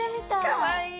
かわいい。